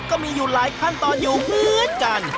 ก็มีอยู่หลายขั้นตอนอยู่เหมือนกัน